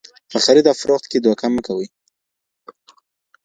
په خريد او فروخت کي دوکه مه کوئ.